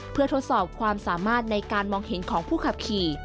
เพื่อทดสอบความสามารถในการมองเห็นของผู้ขับขี่